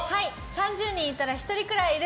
３０人いたら１人はいる。